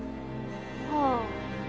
はあ。